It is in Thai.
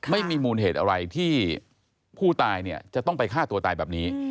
ไม่มีมูลเหตุอะไรที่ผู้ตายเนี่ยจะต้องไปฆ่าตัวตายแบบนี้